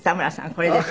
これです。